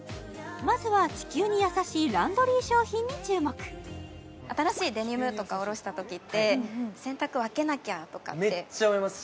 まずは地球に優しいランドリー商品に注目新しいデニムとかおろした時って洗濯分けなきゃとかってめっちゃ思います